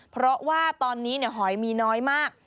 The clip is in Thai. เพราะว่าตอนนี้หอยมีน้อยมาก